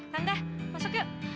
tanda masuk yuk